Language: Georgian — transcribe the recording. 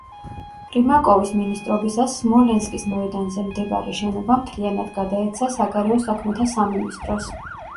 პრიმაკოვის მინისტრობისას, სმოლენსკის მოედანზე მდებარე შენობა მთლიანად გადაეცა საგარეო საქმეთა სამინისტროს.